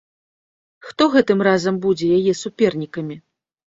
Хто гэтым разам будзе яе супернікамі?